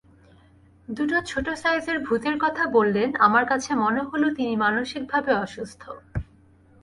দুটো ছোট সাইজের ভূতের কথা বললেন, আমার কাছে মনে হল তিনি মানসিকভাবে অসুস্থ।